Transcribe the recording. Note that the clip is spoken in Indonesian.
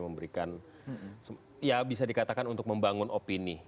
memberikan ya bisa dikatakan untuk membangun opini